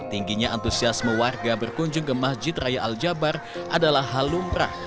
tingginya antusiasme warga berkunjung ke masjid raya al jabbar adalah halumrah